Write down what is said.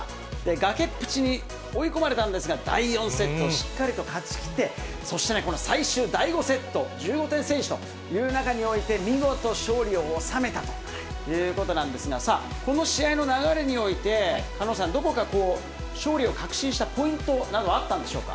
崖っぷちに追い込まれたんですが、第４セット、しっかりと勝ちきって、そしてね、この最終第５セット、１５点先取という中において、見事、勝利を収めたということなんですが、さあ、この試合の流れにおいて、狩野さん、どこかこう、勝利を確信したポイントなどあったんでしょうか？